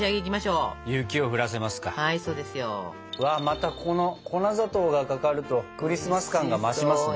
うわまたこの粉砂糖がかかるとクリスマス感が増しますね。